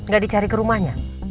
gak dicari ke rumahnya